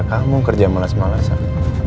kamu kerja malas malasan